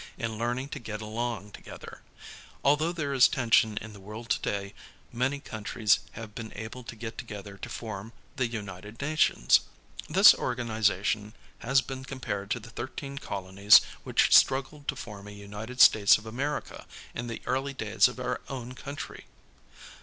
in learning to get along together. Although there is tension in the world today, many countries have been able to get together to form the United Nations. This organization has been compared to the 13 colonies which struggled to form a United States of America in the early days of our own country.